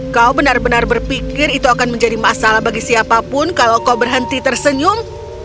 kau benar benar berpikir itu akan menjadi masalah bagi siapapun kalau kau berhenti tersenyum